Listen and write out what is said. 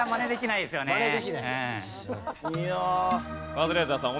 カズレーザーさん